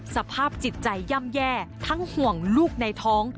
สภาพจิตใจย่ำแย่ทั้งห่วงลูกในท้อง